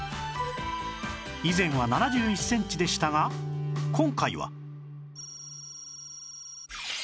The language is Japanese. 以前は７１センチでしたが今回は